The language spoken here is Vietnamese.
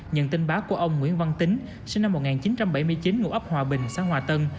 nhận tin báo của ông nguyễn văn tính sinh năm một nghìn chín trăm bảy mươi chín ngụ ấp hòa bình xã hòa tân